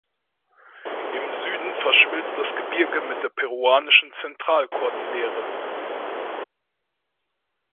Im Süden verschmilzt das Gebirge mit der peruanischen Zentralkordillere.